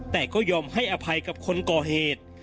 แต่ก็ยอมให้อภัยกับคนก่อเหตุ